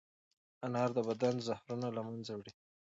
انار د بدن زهرونه له منځه وړي.